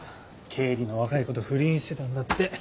経理の若い子と不倫してたんだって。